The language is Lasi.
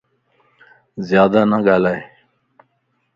زيادا نه ڳالھائي